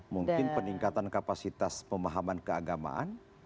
mungkin peningkatan kapasitas pemahaman keagamaan